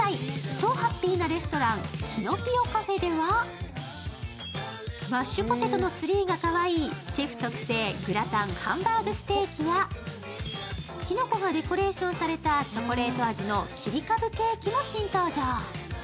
超ハッピーなレストランキノピオカフェではマッシュポテトのツリーがかわいいシェフ特製グラタン・ハンバーグステーキやきのこがデコレーションされたチョコレート味の切り株ケーキも新登場。